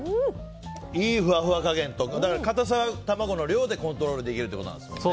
いいふわふわ加減と固さ、卵の量でコントロールできるってそうですね。